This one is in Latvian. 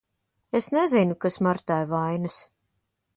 Es nezinu, kas Martai vainas.